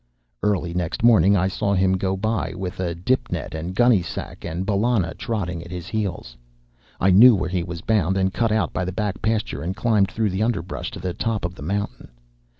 Early next morning I saw him go by with a dip net and gunnysack, and Bellona trotting at his heels. I knew where he was bound, and cut out by the back pasture and climbed through the underbrush to the top of the mountain.